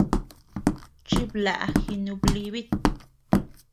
Chiblaʼa jinublibit.